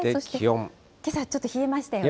けさちょっと冷えましたよね。